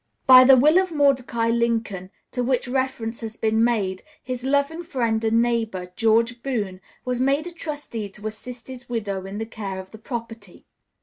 By the will of Mordecai Lincoln, to which reference has been made, his "loving friend and neighbor" George Boone was made a trustee to assist his widow in the care of the property.